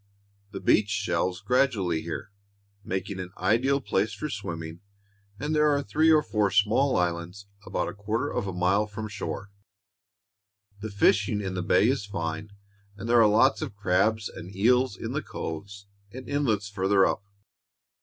The beach shelves gradually here, making an ideal place for swimming, and there are three or four small islands about a quarter of a mile from shore. The fishing in the bay is fine, and there are lots of crabs and eels in the coves and inlets farther up.